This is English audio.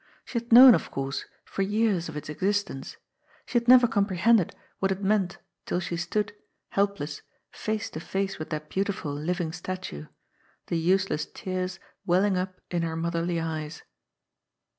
She had known, of course, for years of its existence. She had never comprehended what it meant till she stood, help less, face to face with that beautiful living statue — ^the use less tears welling up in her motherly eyes.